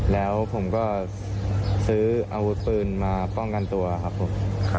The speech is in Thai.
แล้วผมก็ซื้ออาวุธปืนมาป้องกันตัวครับผม